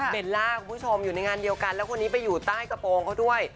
เบลล่าคุณผู้ชมอยู่ในงานเดียวกันแล้วคนนี้ไปอยู่ใต้กระโปรงเขาด้วย